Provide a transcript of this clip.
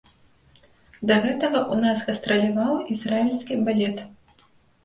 Да гэтага ў нас гастраляваў ізраільскі балет.